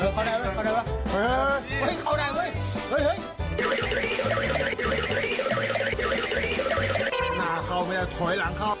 จะเข้าไปทำอะไรอย่าไปไหนเนี่ย